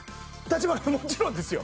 もちろんですよ。